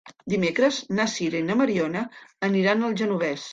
Dimecres na Sira i na Mariona aniran al Genovés.